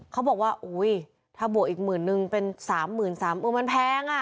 เขาบอกว่าถ้าบอกอีกหมื่นนึงเป็น๓๓๐๐๐บาทมันแพง